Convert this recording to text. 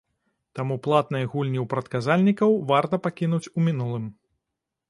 Таму платныя гульні ў прадказальнікаў варта пакінуць у мінулым.